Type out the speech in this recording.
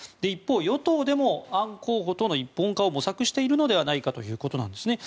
一方、与党でもアン候補との一本化を模索しているのではないかということです。